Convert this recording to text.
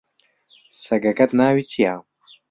سەگەکەت ناوی چییە؟